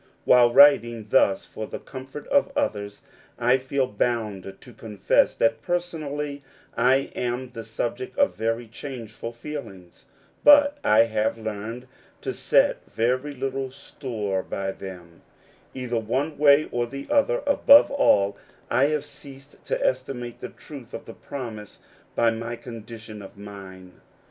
While writing thus for the comfort of others, I feel bound to confess that, personally, I am the subject of very changeful feelings; but I have learned to set very small store by them, either one way or the other : above all, I have ceased to esti mate the truth of the promise by my condition of mind.